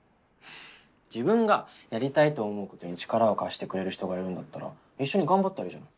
自分がやりたいと思うことに力を貸してくれる人がいるんだったら一緒に頑張ったらいいじゃん。